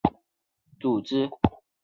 缅甸童军总会为缅甸的国家童军组织。